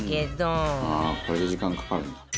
「これで時間かかるんだ」